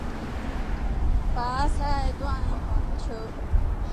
克利伯环球帆船赛是八赛段环球航行赛事。